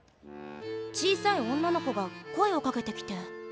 小さい女の子が声をかけてきて。